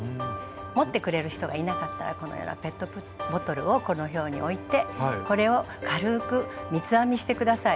持ってくれる人がいなかったらこのようなペットボトルをこのように置いてこれを軽く三つ編みして下さい。